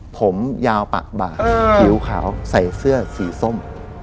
ผมยาวปะบาดผิวขาวใส่เสื้อสีส้ม